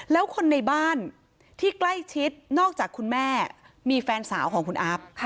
แล้วคนในบ้านที่ใกล้ชิดนอกจากคุณแม่มีแฟนสาวของคุณอัพ